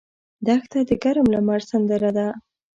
دښته د ګرم لمر سندره ده.